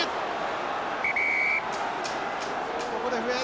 ここで笛。